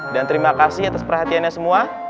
dan terima kasih atas perhatiannya semua